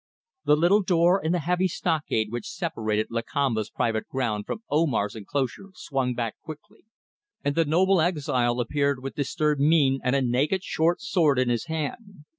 The little door in the heavy stockade which separated Lakamba's private ground from Omar's enclosure swung back quickly, and the noble exile appeared with disturbed mien and a naked short sword in his hand.